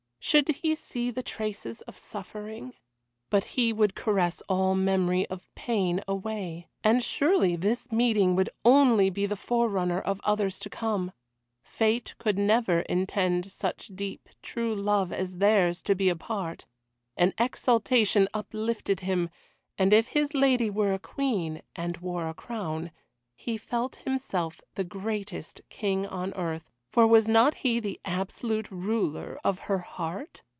Should he see the traces of suffering? But he would caress all memory of pain away, and surely this meeting would only be the forerunner of others to come. Fate could never intend such deep, true love as theirs to be apart. An exaltation uplifted him. And if his lady were a Queen, and wore a crown, he felt himself the greatest king on earth, for was not he the absolute ruler of her heart?